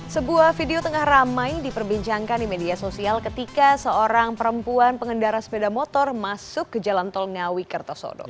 sebuah video tengah ramai diperbincangkan di media sosial ketika seorang perempuan pengendara sepeda motor masuk ke jalan tol ngawi kertosodo